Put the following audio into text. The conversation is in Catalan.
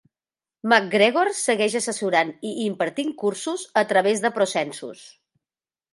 MacGregor segueix assessorant i impartint cursos a través de ProSensus.